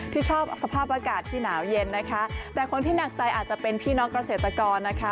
ที่ชอบสภาพอากาศที่หนาวเย็นนะคะแต่คนที่หนักใจอาจจะเป็นพี่น้องเกษตรกรนะคะ